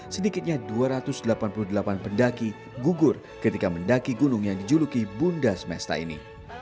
sedikitnya dua ratus delapan puluh delapan pendaki gugur ketika mendaki gunung yang dijuluki bunda semesta ini